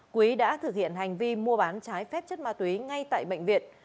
quý đã thực hiện hành vi mua bán trái phép chất ma túy ngay tại bệnh viện